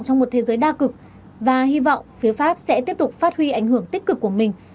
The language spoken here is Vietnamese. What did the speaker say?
trong một thế giới đa cực và hy vọng phía pháp sẽ tiếp tục phát huy ảnh hưởng tích cực của mình